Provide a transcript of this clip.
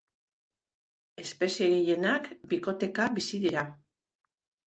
Espezie gehienak bikoteka bizi dira.